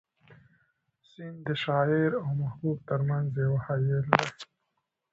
سیند د شاعر او محبوب تر منځ یو حایل دی.